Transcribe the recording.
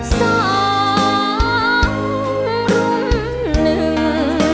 สองรุ่นหนึ่ง